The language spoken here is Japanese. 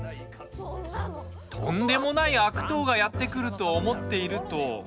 とんでもない悪党がやって来ると思っていると。